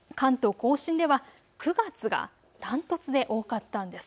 甲信では９月が断トツで多かったんです。